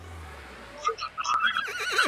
زه او غر